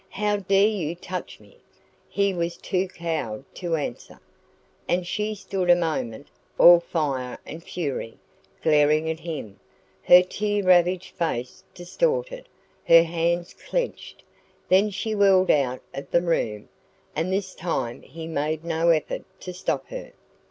"How dare you touch me?" He was too cowed to answer, and she stood a moment, all fire and fury, glaring at him, her tear ravaged face distorted, her hands clenched; then she whirled out of the room, and this time he made no effort to stop her.